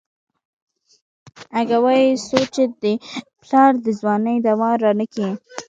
اگه وايي څو چې دې پلار د ځوانۍ دوا رانکي.